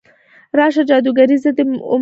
راشه جادوګرې، زه دې ومرمه ادا ته